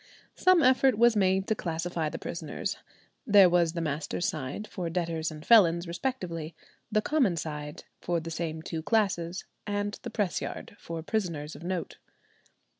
Some effort was made to classify the prisoners: there was the master's side, for debtors and felons respectively; the common side, for the same two classes; and the press yard, for prisoners of note.